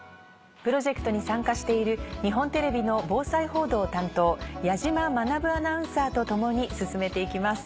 プロジェクトに参加している日本テレビの防災報道担当矢島学アナウンサーと共に進めて行きます。